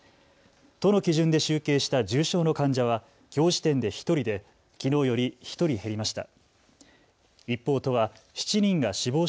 都の基準で集計した重症の患者はきょう時点で１人できのうより１人減りました。